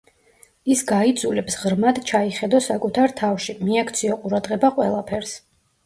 ის გაიძულებს ღრმად ჩაიხედო საკუთარ თავში, მიაქციო ყურადღება ყველაფერს.